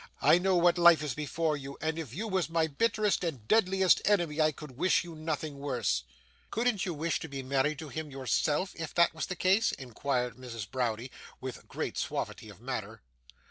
'I know what life is before you, and if you was my bitterest and deadliest enemy, I could wish you nothing worse.' 'Couldn't you wish to be married to him yourself, if that was the case?' inquired Mrs. Browdie, with great suavity of manner.